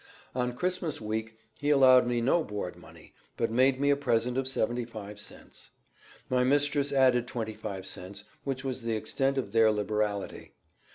On Christmas week he allowed me no board money, but made me a present of seventy five cents; my mistress added twenty five cents, which was the extent of their liberality.